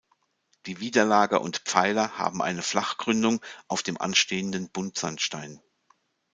Die Widerlager und Pfeiler haben eine Flachgründung auf dem anstehenden Buntsandstein.